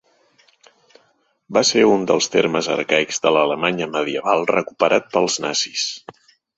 Va ser un dels termes arcaics de l'Alemanya medieval recuperat pels nazis.